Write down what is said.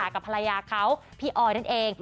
กับภรรยาเขาพี่ออยนั่นเอง